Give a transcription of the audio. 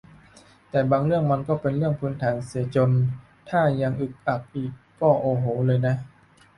แต่บางเรื่องมันก็เป็นเรื่องพื้นฐานเสียจน ถ้ายังอึกอักอีก ก็ โอ้โห เลยนะ